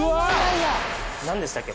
何でしたっけ？